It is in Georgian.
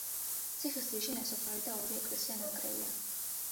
ციხის ძირში ნასოფლარი და ორი ეკლესიის ნანგრევია.